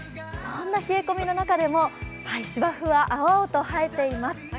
そんな冷え込みの中でも芝生は青々と生えています。